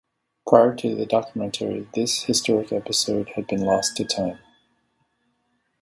Prior to the documentary this historic episode had been lost to time.